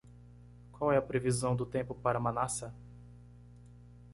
Qual é a previsão do tempo para Manassa??